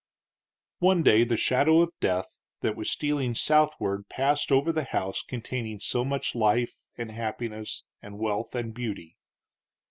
One day the shadow of death that was stealing southward passed over the house containing so much life, and happiness, and wealth, and beauty.